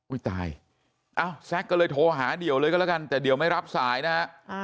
ตายเอ้าแซ็กก็เลยโทรหาเดี่ยวเลยก็แล้วกันแต่เดี่ยวไม่รับสายนะฮะ